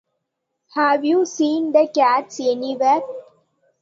Have you seen the cats anywhere?